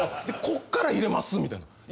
で「こっから入れます」みたいな。